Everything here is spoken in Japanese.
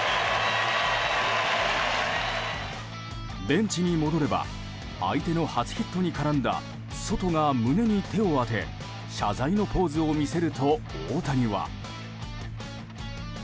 ベンチに戻れば相手の初ヒットに絡んだソトが胸に手を当て謝罪のポーズを見せると大谷は。